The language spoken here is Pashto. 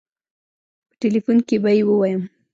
په ټيليفون کې به يې ووايم.